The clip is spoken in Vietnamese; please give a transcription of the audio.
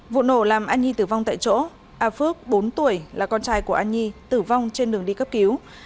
vụ nổ làm anh nhi tử vong tại chỗ a phước bốn tuổi là con trai của anh nhi tử vong trên đường đi cấp cứu